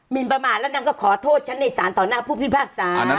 นประมาทแล้วนางก็ขอโทษฉันในสารต่อหน้าผู้พิพากษา